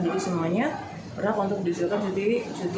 jadi semuanya berhak untuk disiapkan